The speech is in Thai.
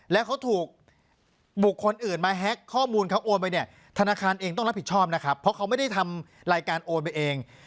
แล้วเขาถูกบุคคลอื่นมาแฮ็กข้อมูลเขาโอนไปเนี่ยธนาคารเองต้องรับผิดชอบนะครับเพราะเขาไม่ได้ทำรายการโอนไปเอง